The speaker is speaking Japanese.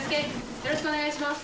よろしくお願いします。